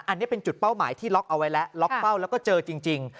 อันนี้เป็นจุดเป้าหมายที่ล็อกเอาไว้แล้วล็อกเป้าแล้วก็เจอจริง